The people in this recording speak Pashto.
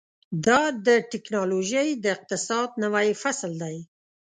دا د ټیکنالوژۍ د اقتصاد نوی فصل دی.